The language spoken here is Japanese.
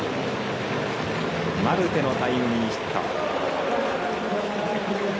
マルテのタイムリーヒット。